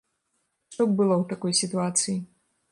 Што б было ў такой сітуацыі?